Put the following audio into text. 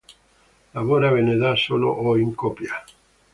Lavora bene da solo o in coppia.